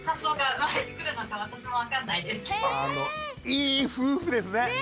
いい夫婦ですね。ね！